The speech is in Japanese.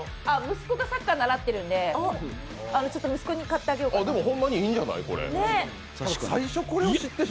息子がサッカー習ってるんで息子に買ってあげようかなって。